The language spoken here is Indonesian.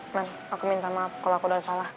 melan aku minta maaf kalau aku udah salah